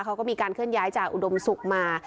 เค้าก็มีการขึ้นย้ายจากอุดมสุขมา